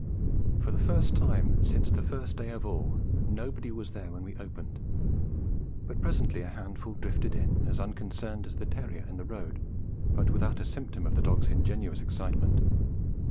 For the first time since the first day of all, nobody was there when we opened; but presently a handful drifted in, as unconcerned as the terrier in the road, but without a symptom of the dog's ingenuous excitement.